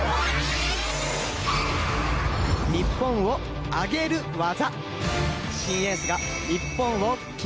日本をアゲる技！